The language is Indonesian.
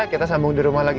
kita sambung di rumah lagi